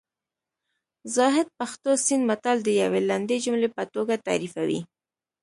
زاهد پښتو سیند متل د یوې لنډې جملې په توګه تعریفوي